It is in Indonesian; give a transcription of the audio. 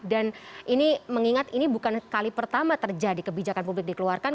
dan ini mengingat ini bukan kali pertama terjadi kebijakan publik dikeluarkan